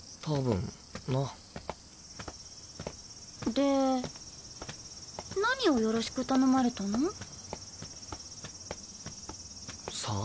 で何をよろしく頼まれたの？さあ。